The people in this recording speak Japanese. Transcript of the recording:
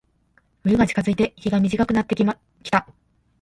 冬が近づいて、日が短くなってきた。